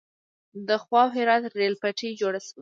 د خواف هرات ریل پټلۍ جوړه شوه.